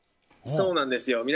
そうなんですよ。